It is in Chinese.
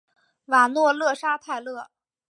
瓦诺勒沙泰勒。